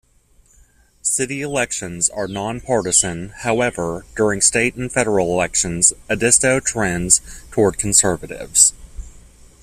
City elections are non-partisan, however, during state and federal elections, Edisto trends toward conservatives.